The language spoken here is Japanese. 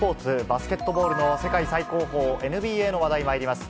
バスケットボールの世界最高峰、ＮＢＡの話題にまいります。